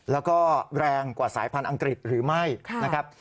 แล้วก็แรงกว่าสายพันธุ์อังกฤษหรือไม่นะครับ